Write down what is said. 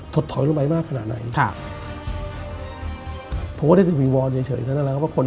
ถดถอยลงไปมากขนาดไหน